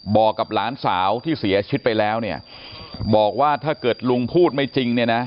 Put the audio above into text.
บอกกับหลานสาวที่เสียชีวิตไปแล้วเนี่ยบอกว่าถ้าเกิดลุงพูดไม่จริงเนี่ยนะ